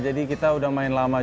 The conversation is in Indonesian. jadi kita udah main lawan